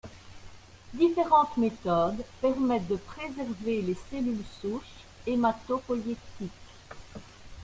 Différentes méthodes permettent de préserver les cellules souches hématopoïétiques.